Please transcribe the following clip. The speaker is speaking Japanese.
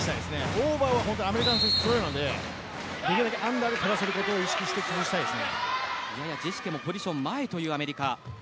オーバーはアメリカの選手強いのでアンダーで取らせることを意識して工夫したいです。